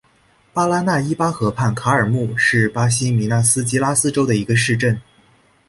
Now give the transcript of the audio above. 巴拉那伊巴河畔卡尔穆是巴西米纳斯吉拉斯州的一个市镇。